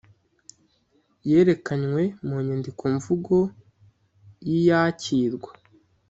yerekanywe mu nyandikomvugo y iyakirwa